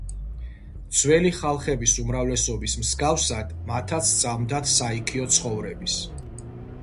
ძველი ხალხების უმრავლესობის მსგავსად მათაც სწამდათ საიქიო ცხოვრების.